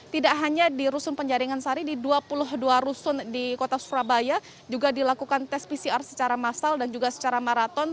tidak hanya di rusun penjaringan sari di dua puluh dua rusun di kota surabaya juga dilakukan tes pcr secara massal dan juga secara maraton